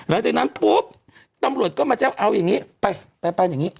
หลังจากนั้นปุ๊บตำรวจก็มาแจ้งเอาอย่างนี้ไปไปอย่างนี้